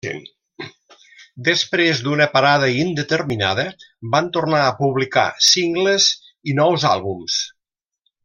Després d'una parada indeterminada, van tornar a publicar singles i nous àlbums.